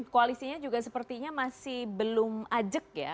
koalisinya juga sepertinya masih belum ajek ya